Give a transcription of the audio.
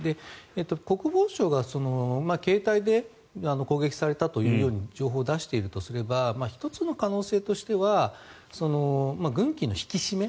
国防省が携帯で攻撃されたというように情報を出しているとすれば１つの可能性としては軍紀の引き締め。